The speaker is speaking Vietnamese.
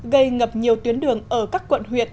gây ngập nhiều tuyến đường ở các quận huyện